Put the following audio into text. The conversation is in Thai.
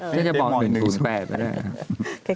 ก็จะบอก๑๐๘ไปได้